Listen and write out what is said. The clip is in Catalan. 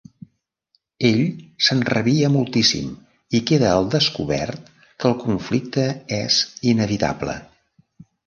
Ell s'enrabia moltíssim i queda al descobert que el conflicte és inevitable.